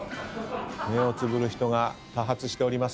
目をつぶる人が多発しております。